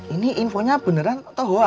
ini infonya beneran atau hoax